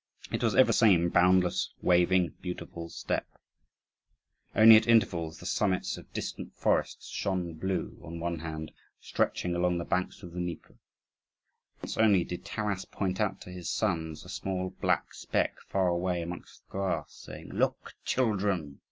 It was ever the same boundless, waving, beautiful steppe. Only at intervals the summits of distant forests shone blue, on one hand, stretching along the banks of the Dnieper. Once only did Taras point out to his sons a small black speck far away amongst the grass, saying, "Look, children!